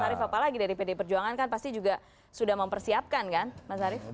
mas arief apalagi dari pd perjuangan kan pasti juga sudah mempersiapkan kan mas arief